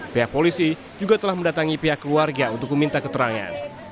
pihak polisi juga telah mendatangi pihak keluarga untuk meminta keterangan